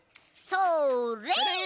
それ！